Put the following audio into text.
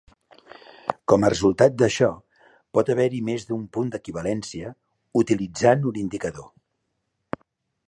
Com a resultat d'això, pot haver-hi més d'un punt d'equivalència utilitzant un indicador.